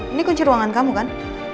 ini kunci ruangan kamu kan